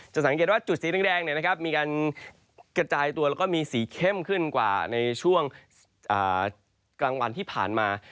สังเกตว่าจุดสีแดงมีการกระจายตัวแล้วก็มีสีเข้มขึ้นกว่าในช่วงกลางวันที่ผ่านมา